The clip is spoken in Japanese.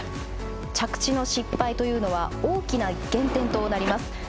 着地の失敗というのは大きな減点となります。